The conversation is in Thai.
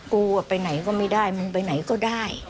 กูไปไหนก็ไม่ได้มึงไปไหนก็ได้